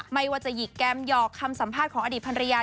ไม่ว่าจะหยิกแกมหยอกคำสัมภาษณ์ของอดีตภรรยา